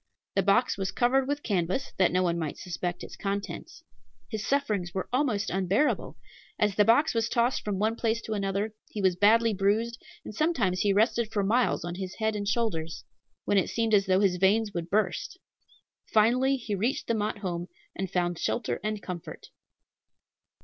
The box was covered with canvas, that no one might suspect its contents. His sufferings were almost unbearable. As the box was tossed from one place to another, he was badly bruised, and sometimes he rested for miles on his head and shoulders, when it seemed as though his veins would burst. Finally he reached the Mott home, and found shelter and comfort.